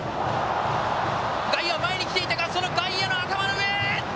外野、前に来ていたが、その外野の頭の上。